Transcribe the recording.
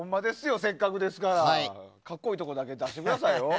せっかくですから格好いいところだけ出してくださいよ。